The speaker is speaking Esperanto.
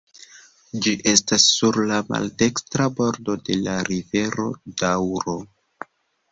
Ĝi estas sur la maldekstra bordo de la rivero Doŭro.